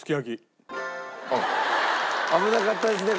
危なかったですね